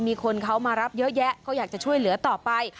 มีคนเขามารับเยอะแยะก็อยากจะช่วยเหลือต่อไป